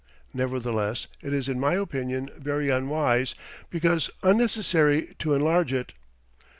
Nevertheless, it is in my opinion very unwise, because unnecessary, to enlarge it.